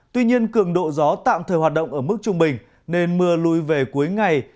tuy nhiên cường độ gió tạm thời hoạt động ở mức trung bình nên mưa lui về cuối ngày